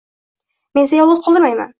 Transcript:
— Men seni yolg‘iz qoldirmayman.